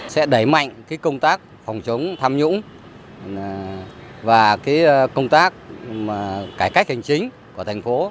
sẽ đẩy mạnh công tác phòng chống tham nhũng và công tác cải cách hành chính của thành phố